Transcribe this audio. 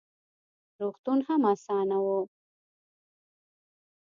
روغتون هم اسان نه و: